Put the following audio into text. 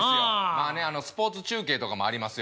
まあねスポーツ中継とかもありますよ。